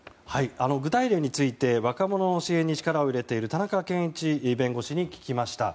具体例について若者の支援に力を入れている田村健一弁護士に聞きました。